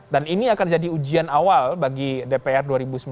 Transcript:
dan ini akan jadi ujian awal bagi dpr dua ribu sembilan belas dua ribu dua puluh empat